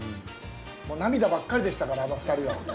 もう涙ばかりでしたから、あの２人は。